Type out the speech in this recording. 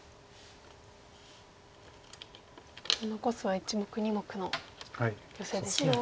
残すは１目２目のヨセですよね。